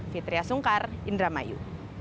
fitriah sungkar indramayu